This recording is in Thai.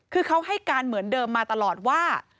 คือเขาให้การเหมือนเดิมมาตลอดว่า